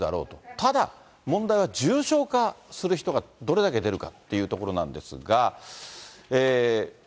ただ、問題は重症化する人がどれだけ出るかっていうところなんですが。